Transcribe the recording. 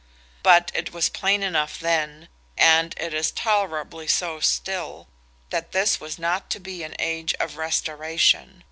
But it was plain enough then, and it is tolerably so still, that this was not to be an age of restoration.